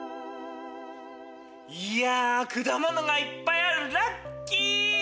いや果物がいっぱいあるラッキー！